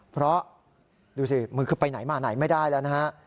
เพราะดูสิมือคือไปไหนมาไหนไม่ได้แล้วนะฮะ